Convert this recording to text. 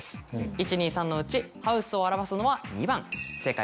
１２３のうちハウスを表すのは２番。